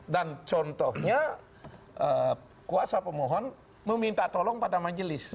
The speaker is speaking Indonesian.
dan contohnya kuasa pemohon meminta tolong pada majelis